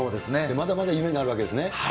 まだまだ夢があるわけですね。